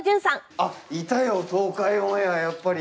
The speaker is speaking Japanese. あ、いたよ、東海オンエアやっぱり。